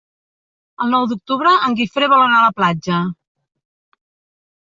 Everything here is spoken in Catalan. El nou d'octubre en Guifré vol anar a la platja.